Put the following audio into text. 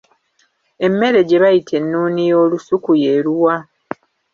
Emmere gye bayita ennuuni y’olusuku y'eruwa?